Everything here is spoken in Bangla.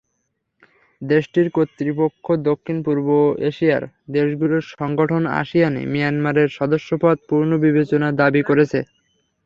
দেশটির কর্তৃপক্ষ দক্ষিণ-পূর্ব এশিয়ার দেশগুলোর সংগঠন আশিয়ানে মিয়ানমারের সদস্যপদ পুনর্বিবেচনার দাবি করেছে।